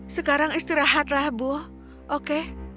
sekarang istirahatlah ibu oke